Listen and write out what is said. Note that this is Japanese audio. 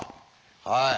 はい。